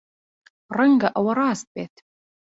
ڕەنگە ئەوە ڕاست بێت.